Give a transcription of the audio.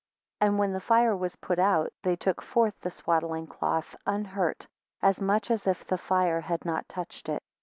8 And when the fire was put out, they took forth the swaddling cloth unhurt, as much as if the fire had not touched it.